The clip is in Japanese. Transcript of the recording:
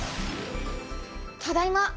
ただいま。